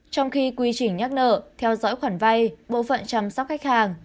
trong khi quy trình nhắc nợ theo dõi khoản vay bộ phận chăm sóc khách hàng